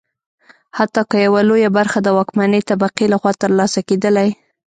حتی که یوه لویه برخه د واکمنې طبقې لخوا ترلاسه کېدلی.